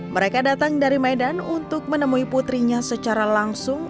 mereka datang dari medan untuk menemui putrinya secara langsung